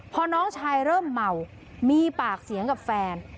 พอน้องชายเริ่มเมามีปากเสียงกับแฟน